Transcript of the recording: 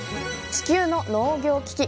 地球の農業危機。